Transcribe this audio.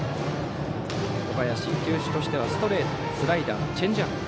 小林、球種としてはストレートスライダー、チェンジアップ。